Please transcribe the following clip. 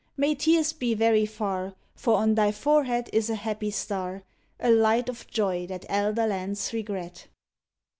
May tears be very far, For on thy forehead is a happy star, A light of joy that elder lands regret.